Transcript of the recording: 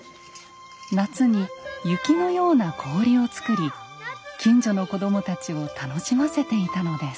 夏に雪のような氷を作り近所の子供たちを楽しませていたのです。